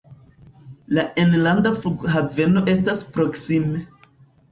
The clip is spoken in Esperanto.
La enlanda flughaveno estas proksime.